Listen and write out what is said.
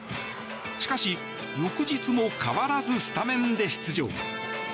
しかし、翌日も変わらずスタメンで出場。